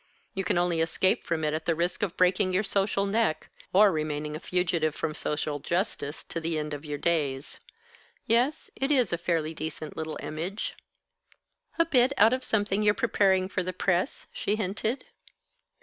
You can only escape from it at the risk of breaking your social neck, or remaining a fugitive from social justice to the end of your days. Yes, it is a fairly decent little image." "A bit out of something you're preparing for the press?" she hinted.